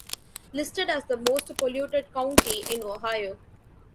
Listed as the most polluted county in Ohio.